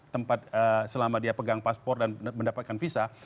tempat selama dia pegang paspor dan mendapatkan visa